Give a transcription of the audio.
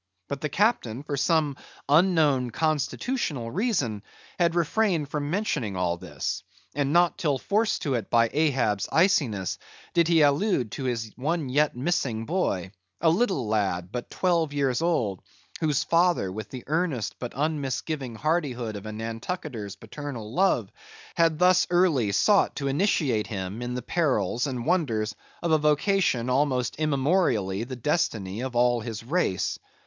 But the captain, for some unknown constitutional reason, had refrained from mentioning all this, and not till forced to it by Ahab's iciness did he allude to his one yet missing boy; a little lad, but twelve years old, whose father with the earnest but unmisgiving hardihood of a Nantucketer's paternal love, had thus early sought to initiate him in the perils and wonders of a vocation almost immemorially the destiny of all his race.